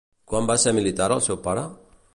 Quan va ser militar el seu pare?